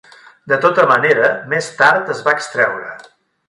De tota manera, més tard es va extreure.